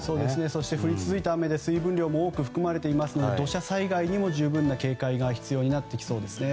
そして降り続いた雨で水分量も多く含まれていますので土砂災害にも十分な警戒が必要になってきそうですね。